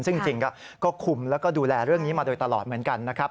ซึ่งจริงก็คุมแล้วก็ดูแลเรื่องนี้มาโดยตลอดเหมือนกันนะครับ